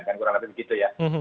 kurang lebih begitu ya